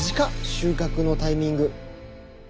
収穫のタイミング。